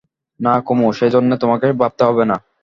না কুমু, সেজন্যে তোমাকে ভাবতে হবে না।